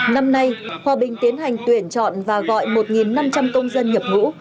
năm nay hòa bình tiến hành tuyển chọn và gọi một năm trăm linh công dân nhập ngũ